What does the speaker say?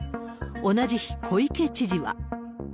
同じ日、小池知事は。